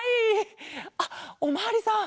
あっおまわりさん。